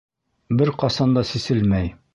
Бер ҡасан да сиселмәй!